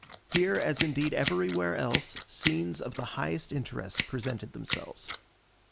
Here, as indeed everywhere else, scenes of the highest interest presented themselves.